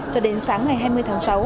cho đến sáng ngày hai mươi tháng sáu